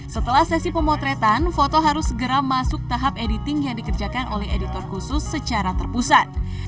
setelah sesi pemotretan foto harus segera masuk tahap editing yang dikerjakan oleh editor khusus secara terpusat